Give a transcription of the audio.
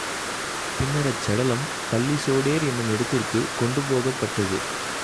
பின்னர் அச்சடலம் பல்லிஸொடேர் என்னும் இடத்திற்குக் கொண்டு போகப்பட்டது.